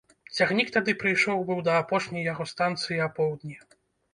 Цягнік тады прыйшоў быў да апошняй яго станцыі апоўдні.